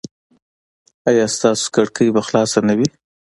ایا ستاسو کړکۍ به خلاصه نه وي؟